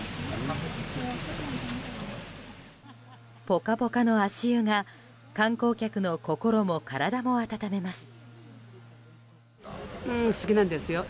ポカポカの足湯が観光客の心も体も温めます。